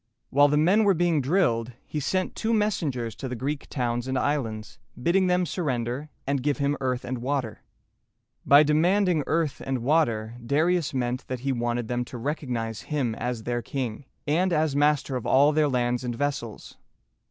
While the men were being drilled, he sent two messengers to the Greek towns and islands, bidding them surrender and give him earth and water. By demanding "earth and water," Darius meant that he wanted them to recognize him as their king, and as master of all their lands and vessels.